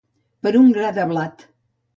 Per un gra de blat.